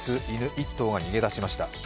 １頭が逃げ出しました。